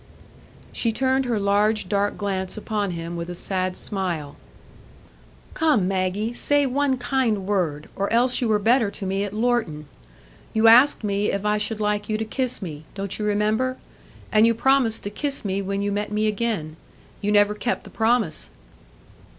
She turned her large dark glance upon him with a sad smile. "Come, Maggie, say one kind word, or else you were better to me at Lorton. You asked me if I should like you to kiss me,—don't you remember?—and you promised to kiss me when you met me again. You never kept the promise."